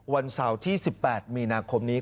วันเสาร์ที่๑๘มีนาคมนี้